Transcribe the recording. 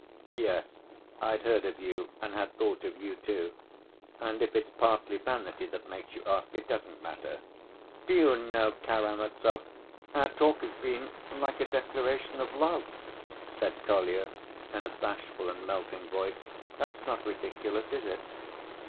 "Yes, I'd heard of you and had thought of you, too ... and if it's partly vanity that makes you ask, it doesn't matter." "Do you know, Karamazov, our talk has been like a declaration of love," said Kolya, in a bashful and melting voice. "That's not ridiculous, is it?"